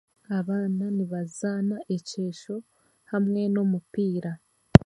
Abaana nibazaana ekyesho hamwe n'omupiira